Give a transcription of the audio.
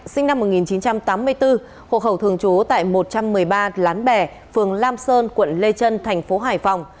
sinh năm một nghìn chín trăm tám mươi bốn hộ khẩu thường trú tại một trăm một mươi ba lán bè phường lam sơn quận lê trân thành phố hải phòng